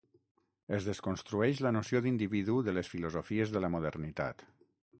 Es desconstrueix la noció d'individu de les filosofies de la modernitat.